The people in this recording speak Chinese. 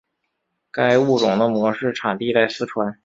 该物种的模式产地在四川。